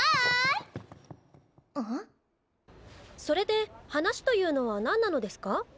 それで話というのは何なのですか？